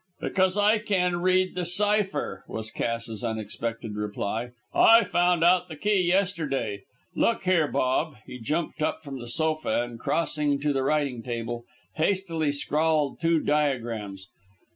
"Because I can read the cypher," was Cass's unexpected reply. "I found out the key yesterday. Look here, Bob." He jumped up from the sofa and, crossing to the writing table, hastily scrawled two diagrams.